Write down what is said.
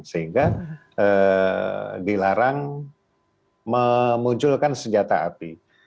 sehingga dilarang memunculkan senjata api